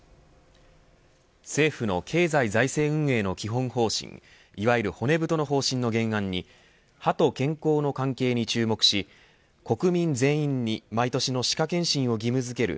政府の経済財政運営の基本方針いわゆる骨太の方針の原案に歯と健康の関係に注目し国民全員に毎年の歯科健診を義務づける